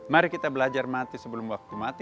mari kita belajar mati sebelum waktu mati